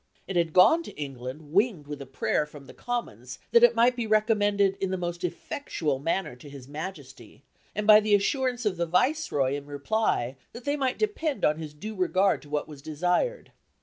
It had gone to England winged with a prayer from the Commons that it might be recommended "in the most effectual manner to his Majesty," and by the assurance of the Viceroy in reply that they might depend on his due regard to what was desired.